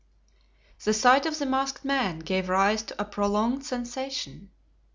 The sight of the masked man gave rise to a prolonged sensation.